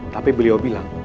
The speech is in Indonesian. tapi beliau bilang